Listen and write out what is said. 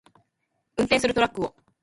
運転するトラックを